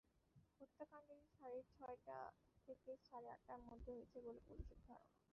হত্যাকাণ্ডটি সাড়ে ছয়টা থেকে সাড়ে আটটার মধ্যে হয়েছে বলে পুলিশের ধারণা।